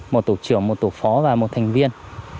một tổ trưởng một tổ phó và một thành viên